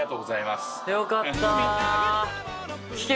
よかった！